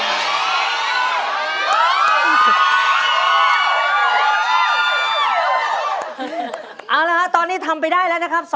เอาละครับตอนนี้ทำไปได้แล้วนะครับ